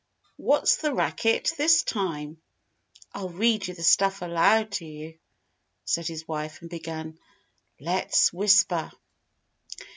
"What's the racket this time?" "I'll read the stuff aloud to you," said his wife; and began: "Let's Whisper!"